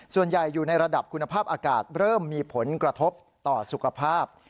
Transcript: ส่วนใหญ่อยู่ในระดับคุณภาพอากาศเริ่มมีผลกระทบต่อสุขภาพ